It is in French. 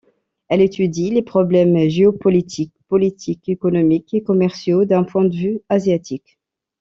Elle étudie les problèmes géopolitiques, politiques, économiques et commerciaux d'un point de vue asiatique.